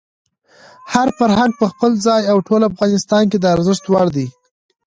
هر فرهنګ په خپل ځای او ټول افغانستان کې د ارزښت وړ دی.